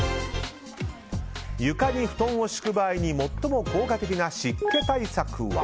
床に布団を敷く場合に最も効果的な湿気対策は？